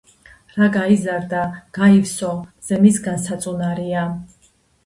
რა გაიზარდა, გაივსო, მზე მისგან საწუნარია